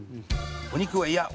「お肉は嫌っ！